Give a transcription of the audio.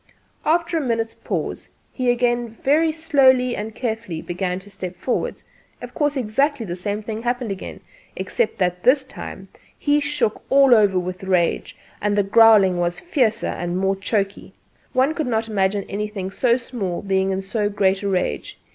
After a minute's pause, he again very slowly and carefully began to step forward; of course exactly the same thing happened again, except that this time he shook all over with rage, and the growling was fiercer and more choky. One could not imagine anything so small being in so great a rage.